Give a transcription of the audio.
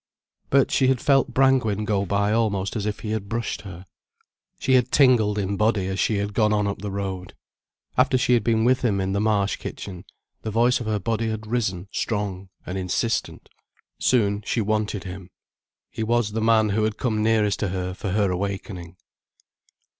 But she had felt Brangwen go by almost as if he had brushed her. She had tingled in body as she had gone on up the road. After she had been with him in the Marsh kitchen, the voice of her body had risen strong and insistent. Soon, she wanted him. He was the man who had come nearest to her for her awakening.